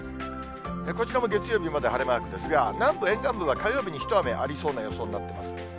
こちらも月曜日まで晴れマークですが、南部、沿岸部は火曜日に一雨ありそうな予想になっています。